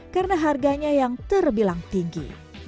karena harganya yang terbilang tinggi